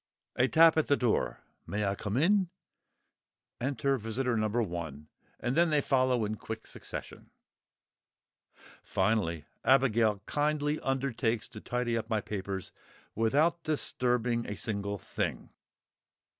A tap at the door; "May I come in?" Enter visitor No. 1. And then they follow in quick succession. Finally, Abigail kindly undertakes to tidy up my papers "without disturbing a single thing!"